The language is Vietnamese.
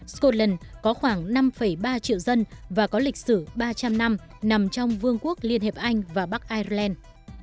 scotland có khoảng năm ba triệu dân và có lịch sử ba trăm linh năm nằm trong vương quốc liên hiệp anh và bắc ireland